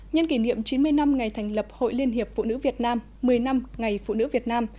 nhân kỷ niệm chín mươi năm ngày thành lập hội liên hiệp phụ nữ việt nam một mươi năm ngày phụ nữ việt nam